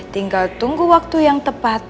tinggal tunggu waktu yang tepat